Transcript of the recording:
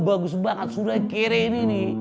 bagus banget sudah kiri ini